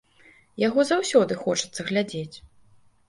Яго заўсёды хочацца глядзець.